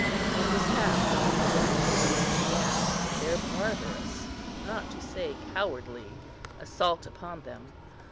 It was now that the Roman soldiers began their barbarous, not to say cowardly, assault upon them.